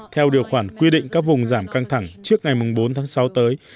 theo điều khoản quy định các vùng giảm căng thẳng trước ngày bốn tháng sáu tới